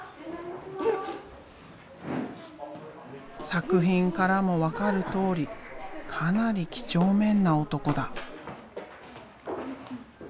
作品からも分かるとおりかなり几帳面な男だ。